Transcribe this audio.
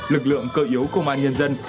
lực lượng cơ yếu công an nhân dân